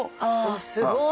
すごい！